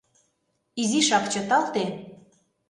— Изишак чыталте.